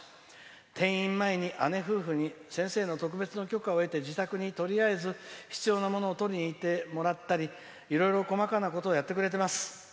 転院前に姉夫婦に先生の特別の許可を得て自宅にとりあえず必要なものを取りに行ってもらったりいろいろ細かなことをやってくれています。